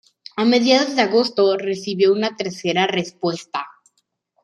A mediados de agosto recibió una tercera respuesta.